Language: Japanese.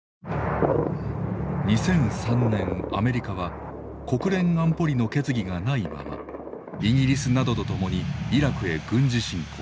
２００３年アメリカは国連安保理の決議がないままイギリスなどと共にイラクへ軍事侵攻。